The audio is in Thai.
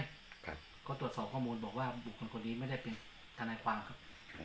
พูดสามารถตรวจสอบข้อมูลผมบอกว่าว่าบุคคลแกว่าไม่ได้เป็นท่านายความครับ